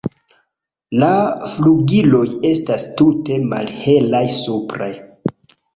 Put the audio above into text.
La flugiloj estas tute malhelaj supre.